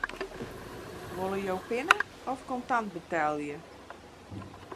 Wolle jo pinne of kontant betelje?